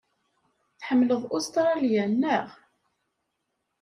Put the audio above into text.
Tḥemmleḍ Ustṛalya, naɣ?